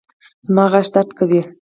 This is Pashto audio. زما غاښ درد کوي